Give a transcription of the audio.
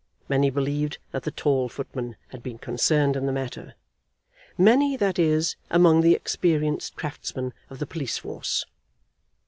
Many believed that the tall footman had been concerned in the matter, many, that is, among the experienced craftsmen of the police force.